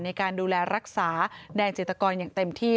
ในการดูแลรักษาแดงจิตกรอย่างเต็มที่